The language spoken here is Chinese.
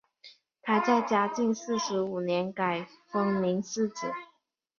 他在嘉靖四十五年改封岷世子。